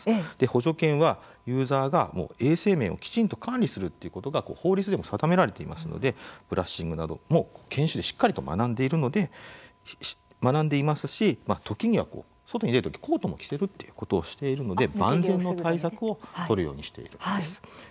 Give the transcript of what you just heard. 補助犬はユーザーが衛生面をきちんと管理するということが法律でも定められていますのでブラッシングなども研修でしっかり学んでいますし時には、外に出るときコートも着せるということをしているので万全の対策を取るようにしているんです。